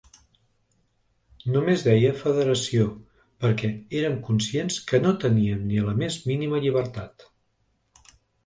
Només deia ‘federació’, perquè érem conscients que no teníem ni la més mínima llibertat.